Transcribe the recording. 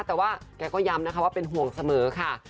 แต่ว่าแกก็ย้ำนะคะว่าเป็นห่วงเสมอค่ะ